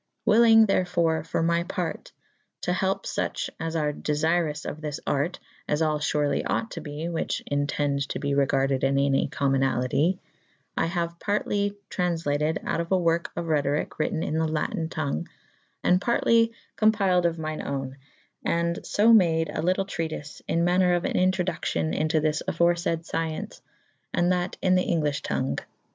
^ Wyllynge therfore for my parte to helpe fuche as ar defyrous of this arte (as all furely ought to be whiche entende to be regarded in any comynaltye) I haue partely traunflatyd" out of awerke of Rhethoryke wrytten in the lattyn'^ tongue, and partely compyled of myne owne, & fo made a lytle treatife in maner of an Introduccyon into this aforefaid fcyence, and that in the"* englyffhe tongue.